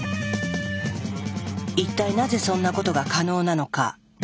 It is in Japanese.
一体なぜそんなことが可能なのか。